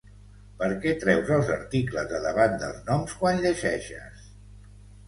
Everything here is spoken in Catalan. Perquè treus els articles de davant dels noms quan llegeixes?